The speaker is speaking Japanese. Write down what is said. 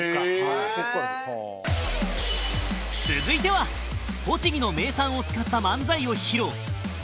続いては栃木の名産を使った漫才を披露